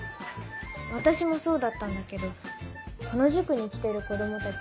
私もそうだったんだけどこの塾に来てる子供たち